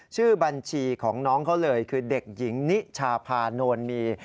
ชื่อบัญชีของน้องเขาเลยคือเด็กหญิงนิชาพานวลมี